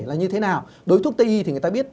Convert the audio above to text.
là như thế nào đối với thuốc tây y thì người ta biết